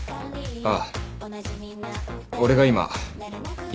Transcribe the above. ああ。